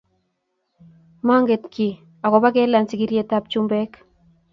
manget kiiy agoba kelany sigiryetab chumbek